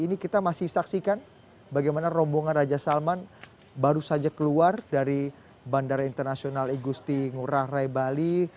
ini kita masih saksikan bagaimana rombongan raja salman baru saja keluar dari bandara internasional igusti ngurah rai bali